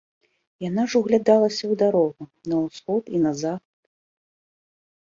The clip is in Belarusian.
Яна ж углядалася ў дарогу на ўсход і на захад.